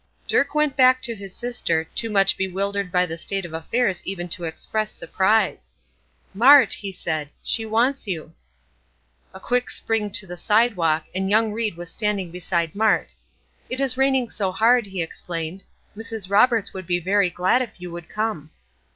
Dirk went back to his sister, too much bewildered by the state of affairs even to express surprise. "Mart," he said, "she wants you." A quick spring to the sidewalk, and young Ried was standing beside Mart. "It is raining so hard," he explained, "Mrs. Roberts would be very glad if you would come."